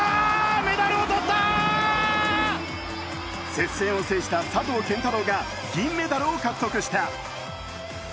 接戦を制した佐藤拳太郎が銀メダルを獲得した。